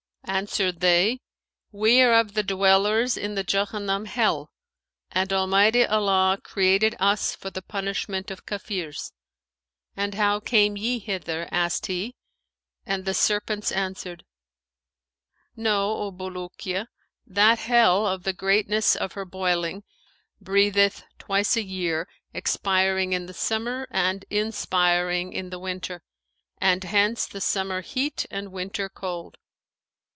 Answered they, 'We are of the dwellers in the Jahannam hell; and Almighty Allah created us for the punishment of Kafirs.' 'And how came ye hither?' asked he, and the Serpents answered, 'Know, O Bulukiya, that Hell[FN#514] of the greatness of her boiling, breatheth twice a year, expiring in the summer and inspiring in the winter, and hence the summer heat and winter cold.